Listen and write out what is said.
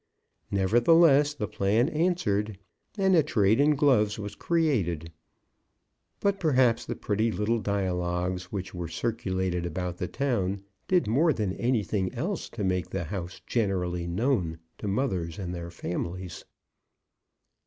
Nevertheless, the plan answered, and a trade in gloves was created. But perhaps the pretty little dialogues which were circulated about the town, did more than anything else to make the house generally known to mothers and their families.